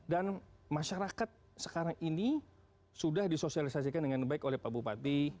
dan masyarakat sekarang ini sudah disosialisasikan dengan baik oleh pak bupati